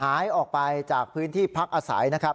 หายออกไปจากพื้นที่พักอาศัยนะครับ